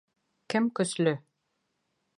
КЕМ КӨСЛӨ?